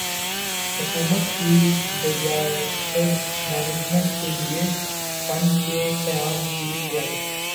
حکومت کی disaster management کیلئے فنڈ کے قیام کی تیاری